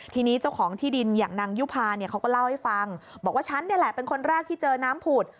ทีนี้เจ้าของที่ดินอย่างนางยุภาเนี่ยเขาก็เล่าให้ฟังบอกว่าฉันนี่แหละเป็นคนแรกที่เจอน้ำผุด